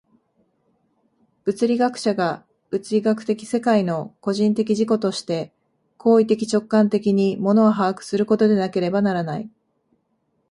物理学者が物理学的世界の個人的自己として行為的直観的に物を把握することでなければならない。